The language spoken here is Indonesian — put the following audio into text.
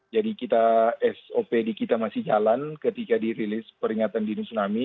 jadi sopd kita masih jalan ketika dirilis peringatan dini tsunami